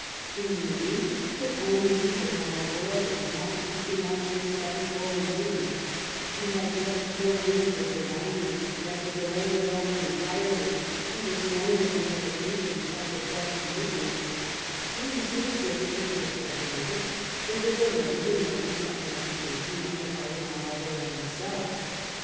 King Louis could only see that Marlborough was not keeping up his sudden forward movement; he had yet no means of divining that the delay was owing entirely to the slowness and hesitation of the Dutch commis sioners, and he seems to have taken it for granted that the delay denoted some hesitation on the part of !ilarl borough himself.